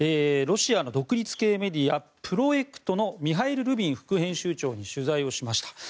ロシアの独立系メディアプロエクトのミハイル・ルビン副編集長に取材をしました。